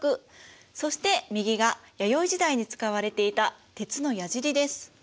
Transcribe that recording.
そして右が弥生時代に使われていた鉄のやじりです。